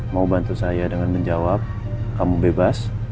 mau bantu saya dengan menjawab kamu bebas